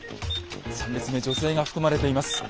３列目女性が含まれています。